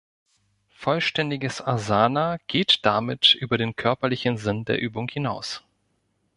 Vollständiges Asana geht damit über den körperlichen Sinn der Übung hinaus.